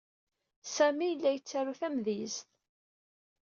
Sami yella yettaru tamedyezt.